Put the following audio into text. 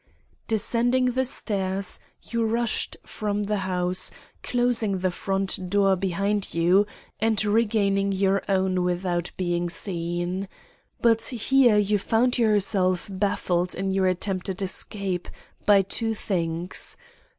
"Descending the stairs, you rushed from the house, closing the front door behind you and regaining your own without being seen. But here you found yourself baffled in your attempted escape, by two things.